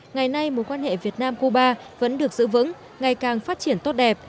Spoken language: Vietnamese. ngày nay mối quan hệ việt nam cuba vẫn được giữ vững ngày càng phát triển tốt đẹp